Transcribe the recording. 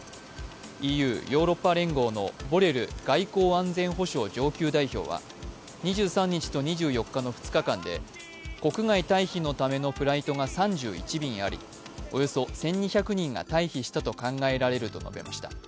ＥＵ＝ヨーロッパ連合のボレル外交安全保障上級代表は２３日と２４日の２日間で国外退避のためのフライトが３１便あり、およそ１２００人が退避したと考えられると述べました。